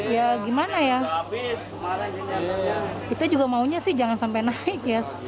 ya gimana ya kita juga maunya sih jangan sampai naik ya